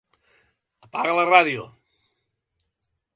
Apaga la ràdio.